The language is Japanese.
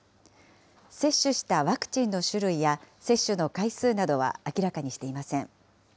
接種したワクチンの種類や接種の回数などは明らかにしていません。